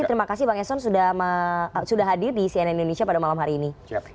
terima kasih bang eson sudah hadir di cnn indonesia pada malam hari ini